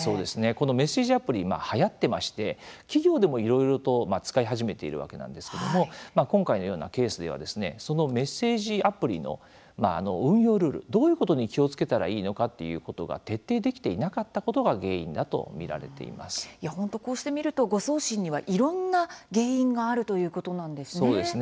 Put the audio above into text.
メッセージアプリはやっていまして企業でもいろいろと使い始めているわけなんですけれども今回のようなケースではメッセージアプリの運用ルールどういうことに気をつけたらいいのかということが徹底できていなかったことが本当、こうして見ると誤送信には、いろんな原因があるということなんですね。